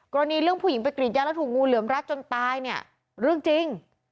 กรณีเรื่องผู้หญิงไปกรีดยางแล้วถูกงูเหลือมรัดจนตายเนี่ยเรื่องจริง